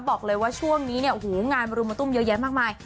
บอกเลยว่าช่วงนี้เนี่ยโอ้โหงานมารุมตุ้มเยอะแยะมากมาย